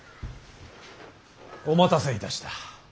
お待たせいたした。